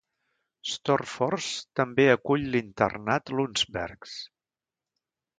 Storfors també acull l'internat Lundsbergs.